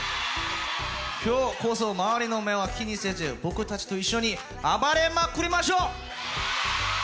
今日こそ周りの目は気にせず僕たちと一緒に暴れまくりましょう！